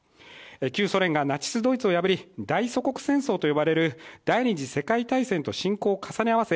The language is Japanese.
旧ソ連がナチスドイツを破り大祖国戦争と呼ばれる第二次世界大戦と侵攻を重ね合わせ